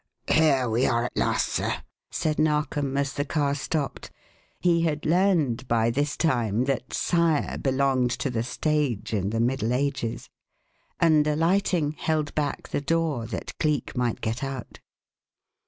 "Here we are at last, sir," said Narkom as the car stopped (he had learned, by this time, that "Sire" belonged to the stage and the Middle Ages), and, alighting, held back the door that Cleek might get out.